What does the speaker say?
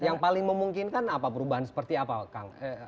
yang paling memungkinkan apa perubahan seperti apa kang